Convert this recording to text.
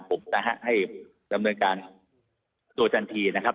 ผมนะฮะให้ดำเนินการตัวทันทีนะครับ